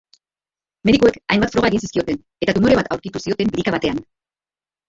Medikuek hainbat froga egin zizkioten, eta tumore bat aurkitu zioten birika batean.